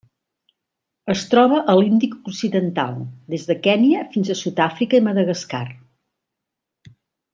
Es troba a l'Índic occidental: des de Kenya fins a Sud-àfrica i Madagascar.